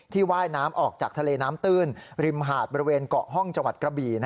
ว่ายน้ำออกจากทะเลน้ำตื้นริมหาดบริเวณเกาะห้องจังหวัดกระบี่